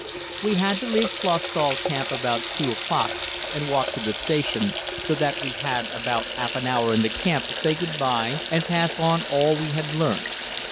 We had to leave Clausthal camp about 2 o'clock and walk to the station, so that we had about half an hour in the camp to say "good bye" and pass on all we had learnt.